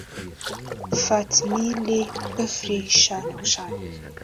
فاتمیلێ بەفری شانەوشان